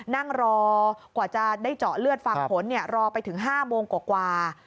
นั่งรอกว่าจะได้เจาะเลือดฟังผลรอไปถึง๕โมงกว่า